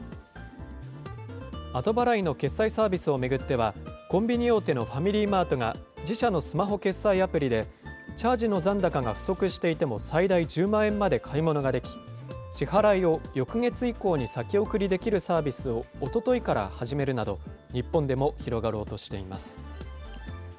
後払いの決済サービスを巡っては、コンビニ大手のファミリーマートが、自社のスマホ決済アプリで、チャージの残高が不足していても、最大１０万円まで買い物ができ、支払いを翌月以降に先送りできるサービスをおとといから始めるなど、日本でも広がろうとしています。